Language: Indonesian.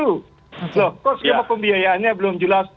loh kok skema pembiayaannya belum jelas